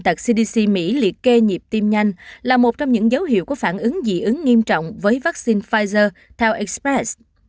phòng ngừa bệnh tật cdc mỹ liệt kê nhịp tiêm nhanh là một trong những dấu hiệu có phản ứng dị ứng nghiêm trọng với vaccine pfizer theo express